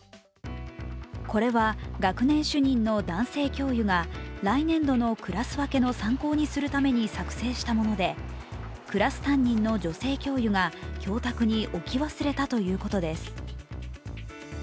これは学年主任の男性教諭が来年度のクラス分けの参考にするために作成したもので、クラス担任の女性教諭が教卓に置き忘れたということです。